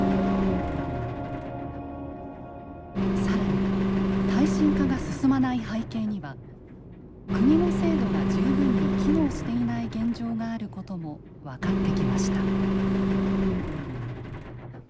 さらに耐震化が進まない背景には国の制度が十分に機能していない現状があることも分かってきました。